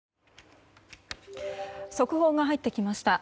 速報が入ってきました。